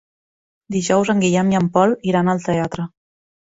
Dijous en Guillem i en Pol iran al teatre.